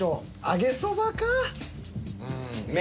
揚げそば。